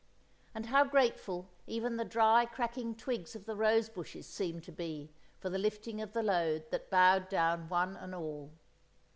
And how grateful even the dry cracking twigs of the rose bushes seemed to be for the lifting of the load that bowed down one and all.